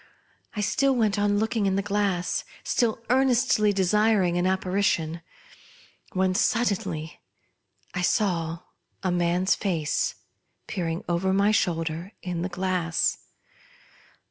I still went on looking in the glass, still earnestly desiring an apparition, when suddenly I saw a man's face peering over my shoulder in the glass.